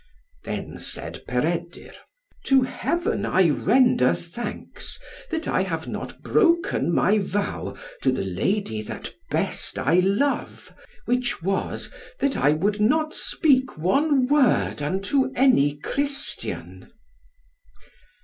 Then said Peredur, "To Heaven I render thanks that I have not broken my vow to the lady that best I love, which was, that I would not speak one word unto any Christian."